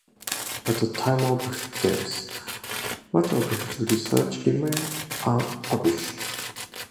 At the time of his death, much of his research remained unpublished.